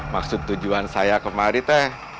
maksud tujuan saya kemari teh